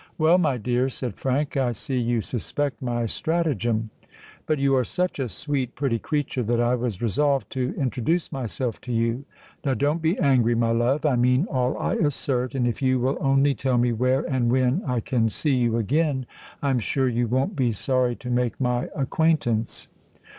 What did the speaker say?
"Well, my dear," said Frank, "I see you suspect my stratagem. But you are such a sweet pretty creature, that I was resolved to introduce myself to you. Now don't be angry, my love: I mean all I assert—and if you will only tell me where and when I can see you again, I'm sure you won't be sorry to make my acquaintance."